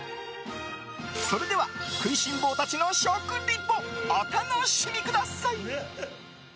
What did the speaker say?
それでは食いしん坊たちの食リポお楽しみください。